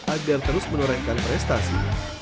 agar terus menorehkan prestasi